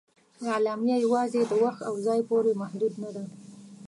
اعلامیه یواځې د وخت او ځای پورې محدود نه ده.